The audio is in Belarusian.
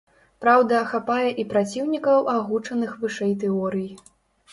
Праўда, хапае і праціўнікаў агучаных вышэй тэорый.